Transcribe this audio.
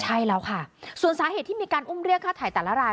ใช่แล้วค่ะส่วนสาเหตุที่มีการอุ้มเรียกค่าถ่ายแต่ละราย